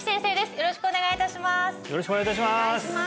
よろしくお願いします